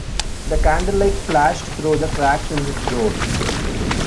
The candlelight flashed through the cracks in his door.